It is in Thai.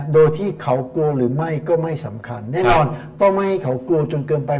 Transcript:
โดยที่เขากลัวหรือไม่ก็ไม่สำคัญแน่นอนต้องไม่ให้เขากลัวจนเกินไป